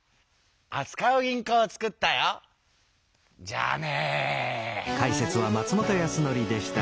じゃあね。